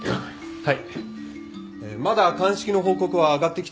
はい！